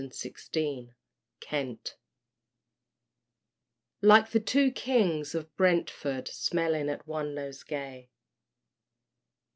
A SERIOUS BALLAD. "Like the two Kings of Brentford smelling at one nosegay."